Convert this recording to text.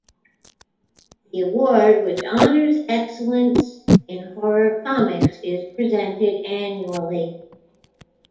The award, which honors excellence in horror comics, is presented annually.